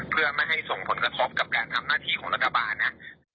เพื่อไม่ให้ส่งผลกระทบกับการทำหน้าที่ของรัฐบาลนะ